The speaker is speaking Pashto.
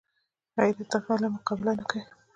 غیرت د علم مقابله نه کوي